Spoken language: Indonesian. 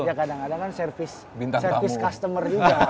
ya kadang kadang kan service customer juga